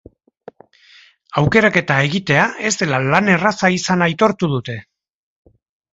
Aukeraketa egitea ez dela lan erraza izan aitortu dute.